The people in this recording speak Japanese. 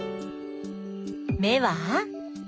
目は？